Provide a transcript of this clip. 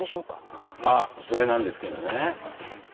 あっそれなんですけどね